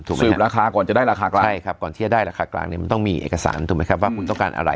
สืบราคาก่อนจะได้ราคากลางใช่ครับก่อนที่จะได้ราคากลางเนี่ยมันต้องมีเอกสารถูกไหมครับว่าคุณต้องการอะไร